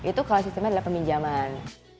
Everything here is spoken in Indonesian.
itu kalau sistemnya adalah peminjaman